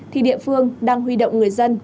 thì địa phương đang huy động người dân